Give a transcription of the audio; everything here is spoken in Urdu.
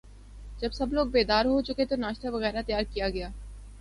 جب سب لوگ بیدار ہو چکے تو ناشتہ وغیرہ تیار کیا گیا